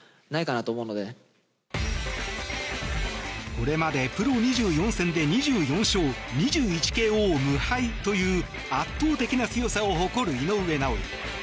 これまでプロ２４戦で２４勝２１ＫＯ無敗という圧倒的な強さを誇る井上尚弥。